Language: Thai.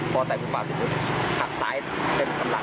พอไต่จุดบาดหลุดทางซ้ำหลัง